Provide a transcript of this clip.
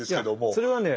それはね